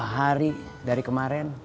dua hari dari kemarin